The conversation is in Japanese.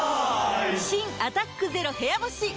新「アタックＺＥＲＯ部屋干し」解禁‼